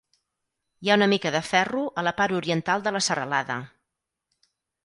Hi ha una mica de ferro a la part oriental de la serralada.